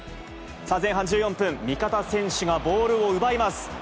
前半１４分、味方選手がボールを奪います。